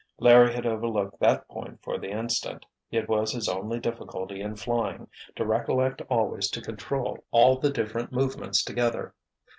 Larry had overlooked that point for the instant. It was his only difficulty in flying, to recollect always to control all the different movements together.